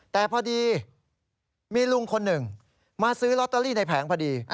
แต่พอดีมีลุงคนหนึ่งมาซื้อลอตเตอรี่ในแผงพอดี